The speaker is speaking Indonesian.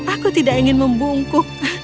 aku tidak ingin membungkuk